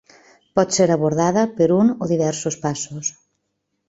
Pot ser abordada per un o diversos passos.